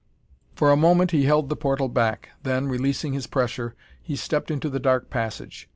For a moment he held the portal back, then, releasing his pressure, he stepped into the dark passage.